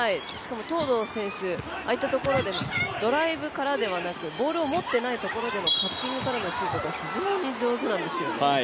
東藤選手ドライブからではなくボールを持っていないところからのカッティングからのシュートが非常に上手なんですよね。